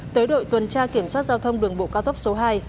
tới đội tuần tra kiểm soát giao thông đường bộ cao tốc số hai